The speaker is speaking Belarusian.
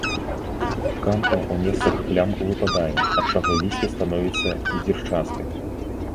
Тканка ў месцах плям выпадае, ад чаго лісце становіцца дзірчастым.